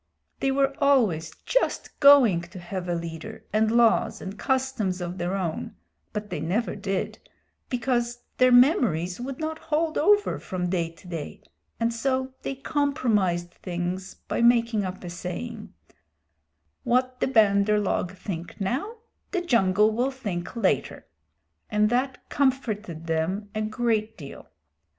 They were always just going to have a leader, and laws and customs of their own, but they never did, because their memories would not hold over from day to day, and so they compromised things by making up a saying, "What the Bandar log think now the jungle will think later," and that comforted them a great deal.